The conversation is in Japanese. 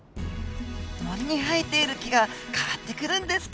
森に生えている木が変わってくるんですか。